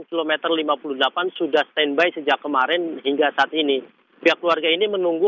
kilometer lima puluh delapan sudah stand by sejak kemarin hingga saat ini pihak keluarga ini menunggu